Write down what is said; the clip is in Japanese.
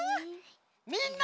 ・みんな！